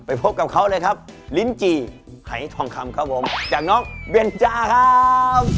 พบกับเขาเลยครับลิ้นจี่หายทองคำครับผมจากน้องเบนจาครับ